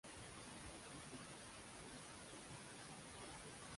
এই অনুষ্ঠানটি জনসাধারণের দাবিতে ফিরে এসেছিল।